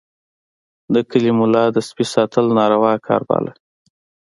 د کلي ملا د سپي ساتل ناروا کار باله.